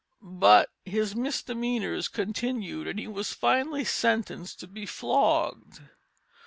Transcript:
But his misdemeanors continued and he was finally sentenced to be flogged.